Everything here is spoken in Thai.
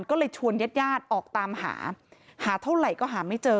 ก็เลยชวนแย่ดออกตามหาหาเท่าไรก็หาไม่เจอ